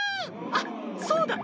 あっそうだ！